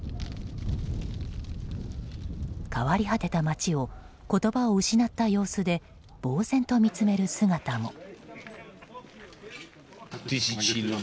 変わり果てた街を言葉を失った様子でぼうぜんと見つめる姿も。